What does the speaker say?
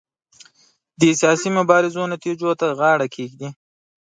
د سیاسي مبارزو نتیجو ته غاړه کېږدي.